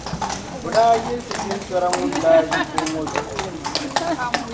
O daa yiɣisi jintɔra ŋun daa ʒi kuɣu ŋɔ zuɣu..